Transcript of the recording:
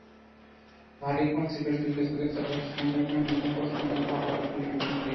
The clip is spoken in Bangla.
ভারী কনসিলার শুকিয়ে চোখের চারপাশের চামড়ার কোঁচকানো ভাব আরও বাড়িয়ে দেয়।